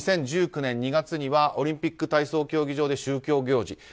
２０１９年２月にはオリンピック体操競技場で宗教行事。